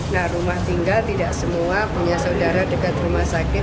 nah rumah tinggal tidak semua punya saudara dekat rumah sakit